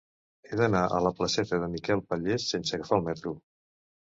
He d'anar a la placeta de Miquel Pallés sense agafar el metro.